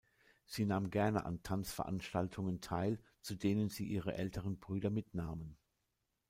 Sie nahm gerne an Tanzveranstaltungen teil, zu denen sie ihre älteren Brüder mitnahmen.